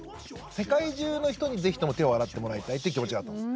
世界中の人にぜひとも手を洗ってもらいたいって気持ちだったんです。